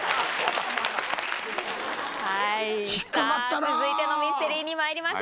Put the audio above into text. はいさぁ続いてのミステリーにまいりましょう。